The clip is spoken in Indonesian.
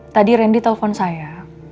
tadi rendy telpon saya